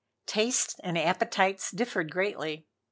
Tastes and appetites differed greatly.